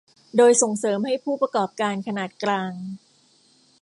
โดยส่งเสริมให้ผู้ประกอบการขนาดกลาง